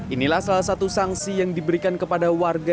inilah salah satu sanksi yang diberikan kepada warga